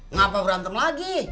ngapa berantem lagi